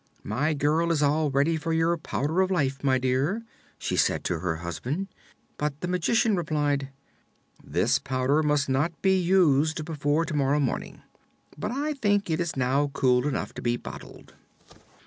"My girl is all ready for your Powder of Life, my dear," she said to her husband. But the Magician replied: "This powder must not be used before to morrow morning; but I think it is now cool enough to be bottled."